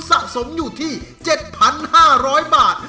สะสมอยู่ที่๗๕๐๐บาท